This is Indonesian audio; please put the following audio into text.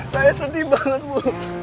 saya sedih banget bu